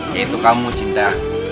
yaitu kamu cinta